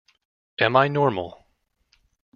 Am I Normal?